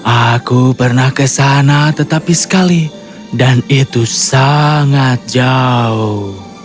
aku pernah kesana tetapi sekali dan itu sangat jauh